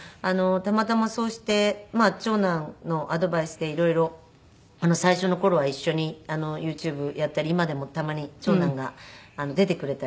たまたまそうして長男のアドバイスで色々最初の頃は一緒にＹｏｕＴｕｂｅやったり今でもたまに長男が出てくれたりするんですけど。